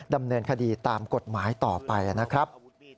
ดำเนินคดีตามกฎหมายต่อไปนะครับ